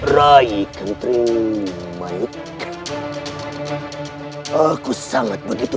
raka terima kasih banyak raka